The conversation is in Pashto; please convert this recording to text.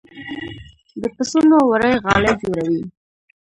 د پسونو وړۍ غالۍ جوړوي